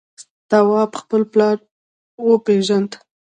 تواب خپل پلار وپېژند.